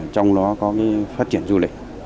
trong đó có phát triển du lịch